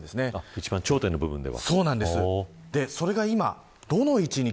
一番頂点の部分では。